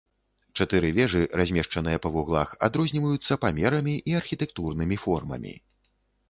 Чатыры вежы, размешчаныя па вуглах, адрозніваюцца памерамі і архітэктурнымі формамі.